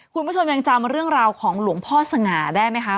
คุณผู้ชมยังจำเรื่องราวของหลวงพ่อสง่าได้ไหมคะ